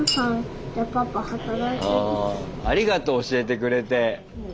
あありがとう教えてくれて。